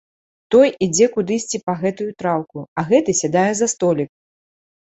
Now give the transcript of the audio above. Той ідзе кудысьці па гэтую траўку, а гэты сядае за столік.